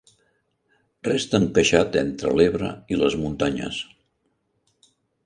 Resta encaixat entre l'Ebre i les muntanyes.